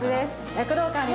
躍動感に。